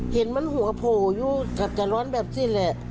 เห็นมันหัวโผล่อยู่แทบจะร้อนแบบสิ้นแหละ